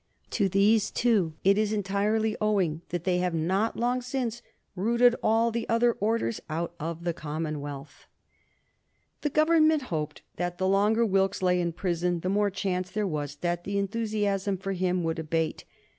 To these two it is entirely owing that they have not long since rooted all the other orders out of the commonwealth." [Sidenote: 1769 Wilkes's expulsion from the Commons] The Government hoped that the longer Wilkes lay in prison, the more chance there was that the enthusiasm for him would abate.